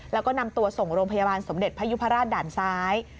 แล้วก็นำตัวส่งโรงพยาบาลสมเด็จพยุพราชด่านซ้าย